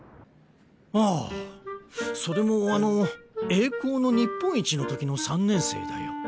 ああそれもあの栄光の日本一の時の３年生だよ。